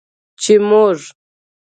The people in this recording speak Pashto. چې موږ